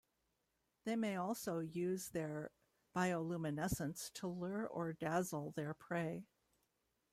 They may also use their bioluminescence to lure or dazzle their prey.